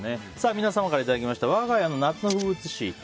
皆様からいただきましたわが家の夏の風物詩。